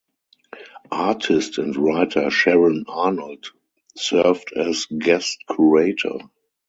Artist and writer Sharon Arnold served as Guest Curator.